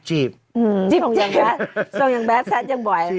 จีบส่วนอย่างแบบแซสส่วนอย่างแบบแซสอย่างบ่อย